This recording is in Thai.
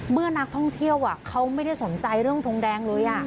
เมื่อนักท่องเที่ยวเขาไม่ได้สนใจเรื่องทงแดงเลย